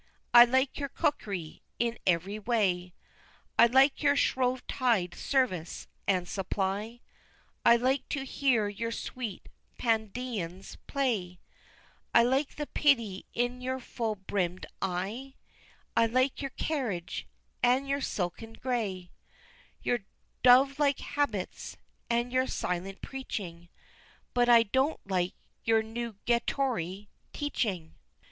I like your cookery in every way; I like your shrove tide service and supply; I like to hear your sweet Pandeans play; I like the pity in your full brimm'd eye; I like your carriage, and your silken gray, Your dove like habits, and your silent preaching; But I don't like your Newgatory teaching.